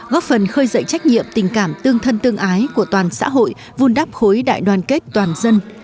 góp phần khơi dậy trách nhiệm tình cảm tương thân tương ái của toàn xã hội vun đắp khối đại đoàn kết toàn dân